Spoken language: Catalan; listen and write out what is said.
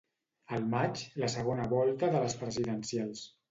Al maig, la segona volta de les presidencials.